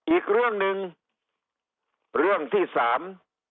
อีกเรื่องหนึ่งเรื่องที่สาม